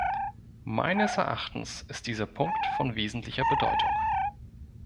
Meines Erachtens ist dieser Punkt von wesentlicher Bedeutung.